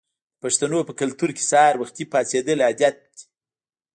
د پښتنو په کلتور کې سهار وختي پاڅیدل عادت دی.